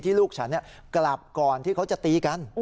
ลูกฉันกลับก่อนที่เขาจะตีกัน